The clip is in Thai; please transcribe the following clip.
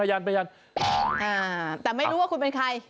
แต่ไม่รู้ว่าคุณเป็นใคร